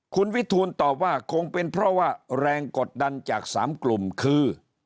คุณวิทูลตอบว่าคงเป็นเพราะว่าแรงกดดันจาก๓กลุ่มคือ